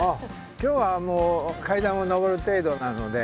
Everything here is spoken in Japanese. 今日は階段を登る程度なので。